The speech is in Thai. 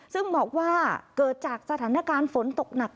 ซึ่งบอกว่าเกิดจากสถานการณ์ฝนตกหนัก